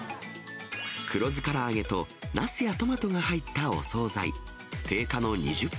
黒酢唐揚げとナスやトマトが入ったお総菜。